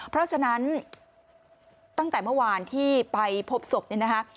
เพราะฉะนั้นตั้งแต่เมื่อวานที่ไปพบศพเนี่ยนะคะ